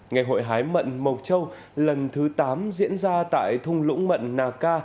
ngày hội hái mận mộc châu lần thứ tám diễn ra tại thung lũng mận nà ca